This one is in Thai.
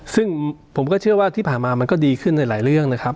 ซึ่งผมก็เชื่อว่าที่ผ่านมามันก็ดีขึ้นในหลายเรื่องนะครับ